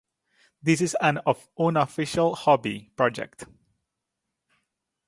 This is an unofficial hobby project